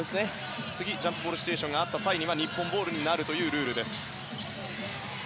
次、ジャンプボールシチュエーションがあった場合は日本ボールになるルールです。